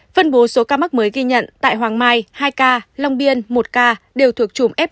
phân bố số ca mắc mới ghi nhận tại hoàng mai hai ca long biên một ca đều thuộc chùm f một